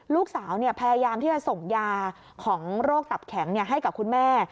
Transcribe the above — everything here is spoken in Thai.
ลูกสาวพยายามที่จะส่งยาของโรคตับแข็งให้กับคุณแม่